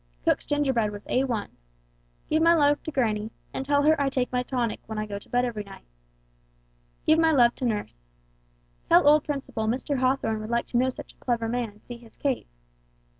Cook's gingerbread was A1. Give my love to granny, and tell her I take my tonic when I go to bed every night. Give my love to nurse. Tell old Principle Mr. Hawthorn would like to know such a clever man and see his cave.